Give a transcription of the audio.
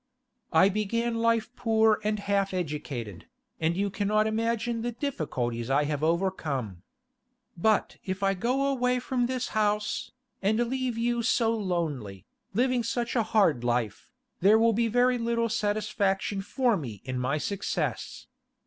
I began life poor and half educated, and you cannot imagine the difficulties I have overcome. But if I go away from this house, and leave you so lonely, living such a hard life, there will be very little satisfaction for me in my success.